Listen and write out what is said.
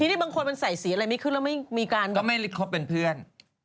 ที่นี่บางคนใส่อะไรไม่มีต่อด้วยก็ไม่จบเป็นเพื่อน